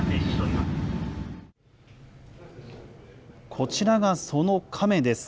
こちらがそのカメです。